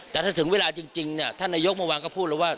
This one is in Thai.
แต่ถ้าถึงเวลาจริงเนี่ยท่านนายกเมื่อวานก็พูดแล้วว่า